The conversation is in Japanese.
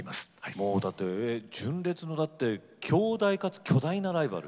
もうだって純烈の強大かつ巨大なライバル。